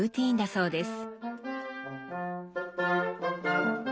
そうです。